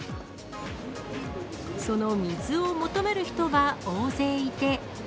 その水を求める人は大勢いて。